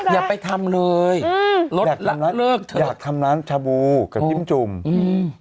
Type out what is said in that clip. อย่าไปทำเลยอืมลดเลิกเถอะอยากทำร้านชาบูกับจิ้มจุ่มอืม